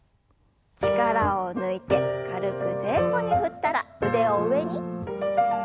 力を抜いて軽く前後に振ったら腕を上に。